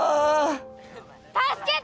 助けて！